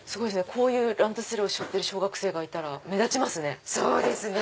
このランドセルを背負ってる小学生がいたら目立ちますね。